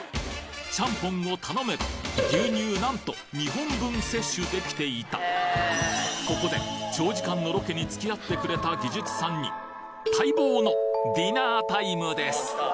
チャンポンを頼めば牛乳なんと２本分摂取できていたここで長時間のロケにつきあってくれた技術さんに待望のディナータイムです！